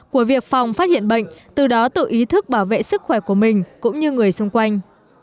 của việc phòng phát hiện bệnh từ đó tự ý thức bảo vệ sức khỏe của mình cũng như người xung quanh